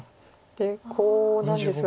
でコウなんですが。